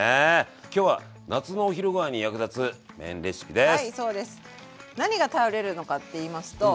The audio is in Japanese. きょうは夏のお昼ごはんに役立つ麺レシピです。